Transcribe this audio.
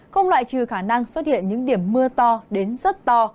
không loại trừ khả năng xuất hiện những điểm mưa to đến rất to